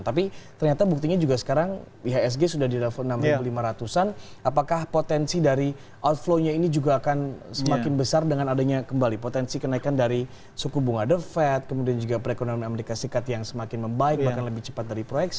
tapi ternyata buktinya juga sekarang ihsg sudah di level enam ribu lima ratus an apakah potensi dari outflow nya ini juga akan semakin besar dengan adanya kembali potensi kenaikan dari suku bunga the fed kemudian juga perekonomian amerika serikat yang semakin membaik bahkan lebih cepat dari proyeksi